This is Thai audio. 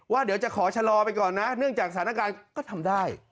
เดี๋ยวจะขอชะลอไปก่อนนะเนื่องจากสถานการณ์ก็ทำได้